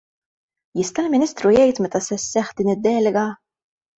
Jista' l-Ministru jgħid meta se sseħħ din id-delega?